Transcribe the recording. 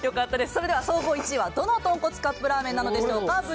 それでは総合１位は、どの豚骨カップラーメンなんでしょうか。